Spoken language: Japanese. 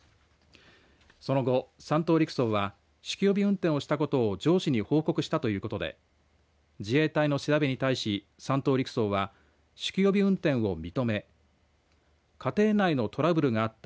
その後、３等陸曹は酒気帯び運転をしたことを上司に報告したということで自衛隊の調べに対し３等陸曹は、酒気帯び運転を認め家庭内のトラブルがあった。